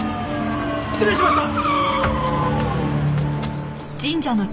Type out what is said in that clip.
失礼しました！